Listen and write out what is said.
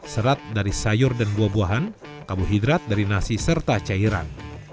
serat dari sayur dan buah buahan karbohidrat dari nasi serta cairan